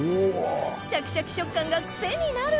シャキシャキ食感が癖になる！